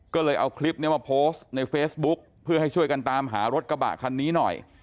ก็เลยเอาคลิปนี้มาโพสต์ในเฟซบุ๊คเพื่อให้ช่วยกันตามหารถกระบะคันนี้หน่อย